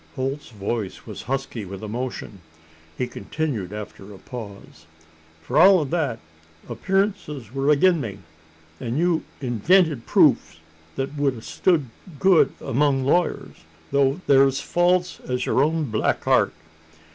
Holt's voice was husky with emotion. He continued, after a pause: "For all o' that, appearances wur agin' me: an' you invented proofs that wud a stood good among lawyers, though thur as false as yur own black heart.